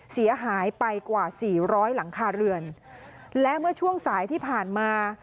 เสียหายไปกว่าสี่ร้อยหลังคาเรือนและเมื่อช่วงสายที่ผ่านมา